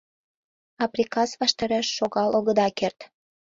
А приказ ваштареш шогал огыда керт.